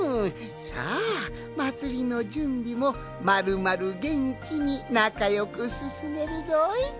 さあまつりのじゅんびもまるまるげんきになかよくすすめるぞい！